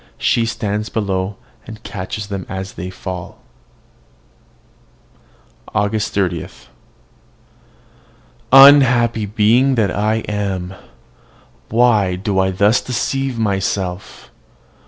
She stands below, and catches them as they fall. AUGUST 30. Unhappy being that I am! Why do I thus deceive myself?